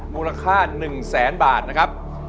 มูลค่า๑แสนบาทนะครับ